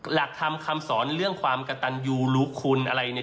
หลักทำคำสอนเรื่องความกะตันยูรุคคุณอะไรนี้